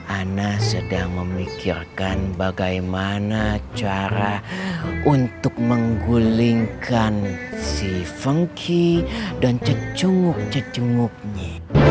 ana sedang memikirkan bagaimana cara untuk menggulingkan si fengki dan cecunguk cecunguknya